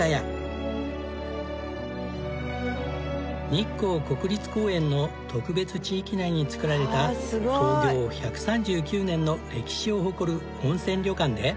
日光国立公園の特別地域内に造られた創業１３９年の歴史を誇る温泉旅館で。